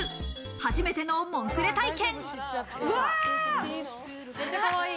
初めてのモンクレ体験。